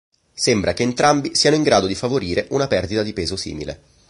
Sembra che entrambi siano in grado di favorire una perdita di peso simile.